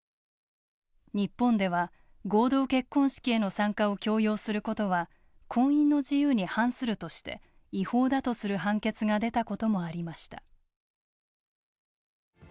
日本では、合同結婚式への参加を強要することは婚姻の自由に反するとして違法だとする判決が出たこともありました。